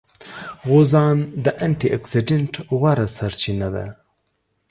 غوزان د انټي اکسیډېنټ غوره سرچینه ده.